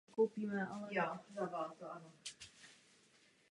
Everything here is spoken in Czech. Spolu se svou ženou vstoupil do Třetí řád svatého Dominika.